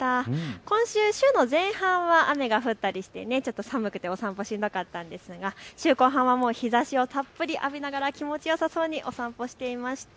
今週、週の前半は雨が降ったりして、ちょっと寒くてお散歩しなかったんですが週後半は日ざしをたっぷり浴びながら気持ちよさそうにお散歩していました。